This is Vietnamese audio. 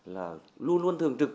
là luôn luôn thường trực